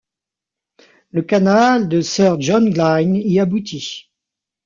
Le canal de Sir John Glynne y aboutit.